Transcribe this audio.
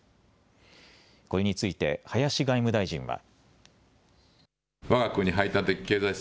これについて林外務大臣は。